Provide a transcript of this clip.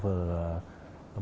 sẽ được lưu vào trong một